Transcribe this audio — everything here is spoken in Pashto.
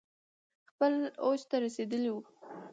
خپل اوج ته رسیدلي ؤ